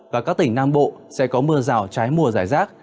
và các tỉnh nam bộ sẽ có mưa rào trái mùa giải rác